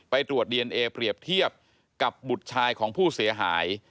ตรวจดีเอนเอเปรียบเทียบกับบุตรชายของผู้เสียหาย